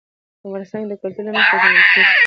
افغانستان د کلتور له مخې پېژندل کېږي.